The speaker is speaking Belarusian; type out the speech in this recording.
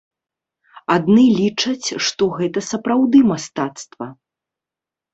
Адны лічаць, што гэта сапраўды мастацтва.